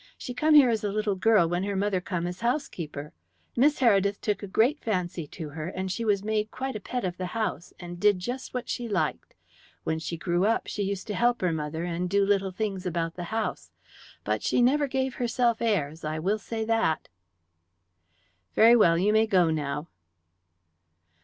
"She come here as a little girl when her mother come as housekeeper. Miss Heredith took a great fancy to her, and she was made quite a pet of the house, and did just what she liked. When she grew up she used to help her mother, and do little things about the house. But she never gave herself airs I will say that." "Very well. You may go now."